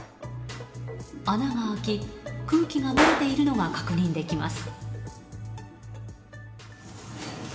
穴が開き、空気が漏れているのが確認できます。